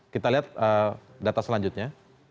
kita lihat data selanjutnya